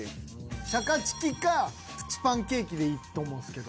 シャカチキかプチパンケーキでいいと思うんですけど。